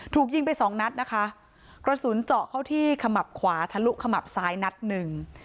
ถูกยิงไปสองนัดนะคะกระสุนเจาะเข้าที่ขมับขวาทะลุขมับซ้ายนัดหนึ่ง